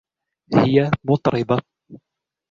هي مطربة.